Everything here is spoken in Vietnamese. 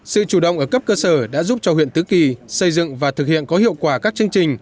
sự chủ động ở cấp cơ sở đã giúp cho huyện tứ kỳ xây dựng và thực hiện có hiệu quả các chương trình